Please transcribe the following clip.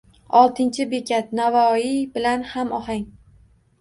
Oltinchi bekat: Navoiy bilan hamohang